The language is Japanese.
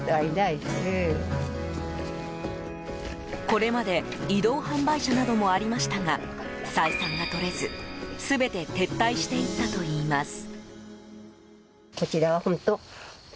これまで移動販売車などもありましたが採算が取れず全て撤退していったといいます。